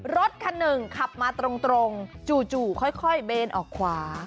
รถคันหนึ่งขับมาตรงจู่ค่อยเบนออกขวา